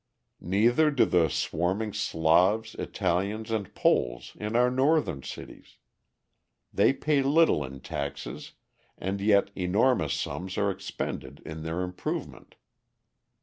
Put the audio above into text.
Neither do the swarming Slavs, Italians, and Poles in our Northern cities. They pay little in taxes and yet enormous sums are expended in their improvement.